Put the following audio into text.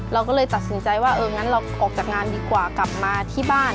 เราก็เลยตัดสินใจว่าเอองั้นเราออกจากงานดีกว่ากลับมาที่บ้าน